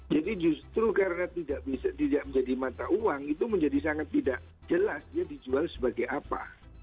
jadi justru karena tidak bisa menjadi mata uang itu menjadi sangat tidak jelas dia dijual sebagai apa